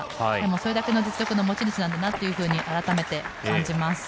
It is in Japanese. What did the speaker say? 腕だけの実力の持ち主なんだなと改めて感じます。